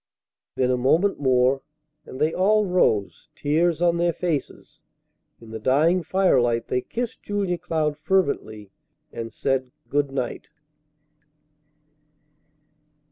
Then a moment more, and they all rose, tears on their faces. In the dying firelight they kissed Julia Cloud fervently, and said good night.